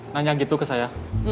bosnya bukan saya